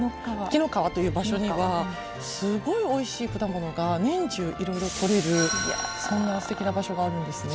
紀の川という場所にはすごいおいしい果物が年中いろいろとれるそんなすてきな場所があるんですね。